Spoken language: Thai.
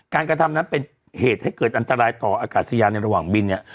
กระทำนั้นเป็นเหตุให้เกิดอันตรายต่ออากาศยานในระหว่างบินเนี่ย